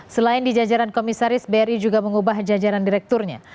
selain di jajaran komisaris bri juga mengubah jajaran direkturnya